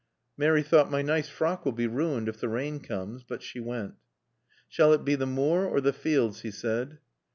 Mary thought, "My nice frock will be ruined if the rain comes." But she went. "Shall it be the moor or the fields?" he said.